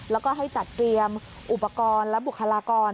แล้วก็ให้จัดเตรียมอุปกรณ์และบุคลากร